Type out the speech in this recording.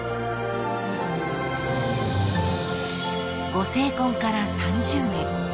［ご成婚から３０年］